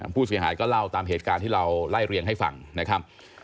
ผู้เสียหายก็เล่าตามเหตุการณ์ที่เราไล่เรียงให้ฟังนะครับ